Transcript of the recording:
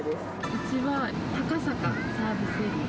うちは高坂サービスエリア。